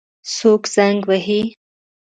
څوک زنګ وهي؟